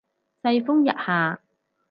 世風日下